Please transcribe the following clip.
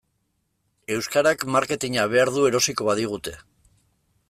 Euskarak marketina behar du erosiko badigute.